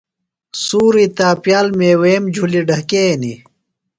سُوری تاپیال میویم جُھلیۡ ڈھکینی۔